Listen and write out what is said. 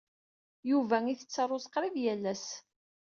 Yuba isett ṛṛuz qrib yal ass.